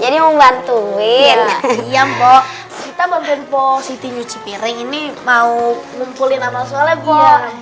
jadi membantuin iya mbok kita memimpin posisi nyuci piring ini mau ngumpulin amal soleh gua